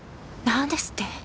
何ですって？